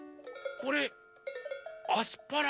これアスパラ！